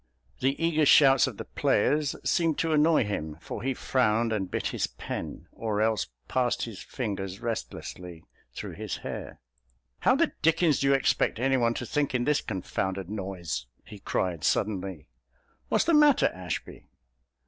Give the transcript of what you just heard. The eager shouts of the players seemed to annoy him, for he frowned and bit his pen, or else passed his fingers restlessly through his hair. "How the dickens do you expect any one to think in this confounded noise?" he cried suddenly. "What's the matter, Ashby?"